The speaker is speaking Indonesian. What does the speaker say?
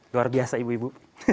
luar biasa ibu ibu